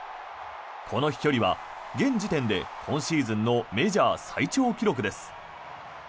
この飛距離は現時点で今シーズンのメジャー最長記録です。